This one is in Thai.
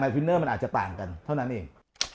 ฟินเนอร์มันอาจจะต่างกันเท่านั้นเอง